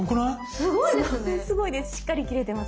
すごいです。